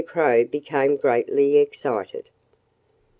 Crow became greatly excited.